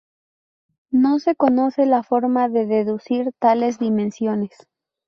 No se conoce la forma de deducir tales dimensiones.